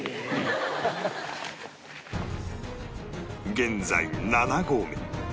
現在７合目